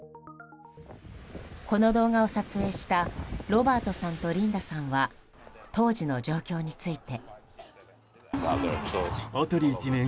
この動画を撮影したロバートさんとリンダさんは当時の状況について。